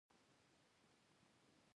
ښه نیت د ښو پایلو سبب کېږي.